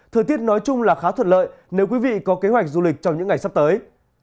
thời tiết nói chung là khá thuật lợi nếu quý vị có kế hoạch du lịch trong những ngày sắp tới